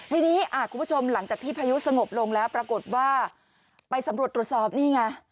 ทีนี้คุณผู้ชมหลังจากที่พายุสงบลงแล้วปรากฏว่าไปสำรวจตรวจสอบนี่ไง